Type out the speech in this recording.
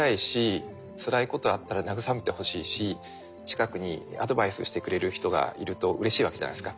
ことあったら慰めてほしいし近くにアドバイスしてくれる人がいるとうれしいわけじゃないですか。